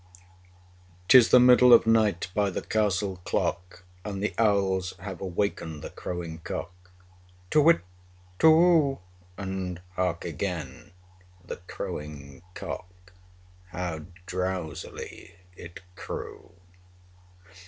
PART I 'Tis the middle of night by the castle clock, And the owls have awakened the crowing cock; Tu whit! Tu whoo! And hark, again! the crowing cock, How drowsily it crew.